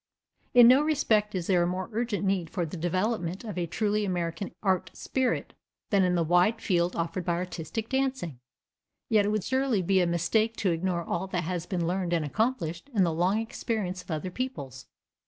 In no respect is there a more urgent need for the development of a truly American art spirit than in the wide field offered by artistic dancing, yet it would surely be a mistake to ignore all that has been learned and accomplished in the long experience of other peoples.